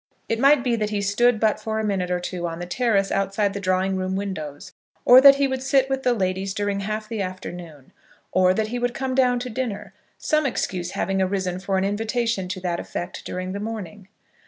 It might be that he stood but for a minute or two on the terrace outside the drawing room windows, or that he would sit with the ladies during half the afternoon, or that he would come down to dinner, some excuse having arisen for an invitation to that effect during the morning.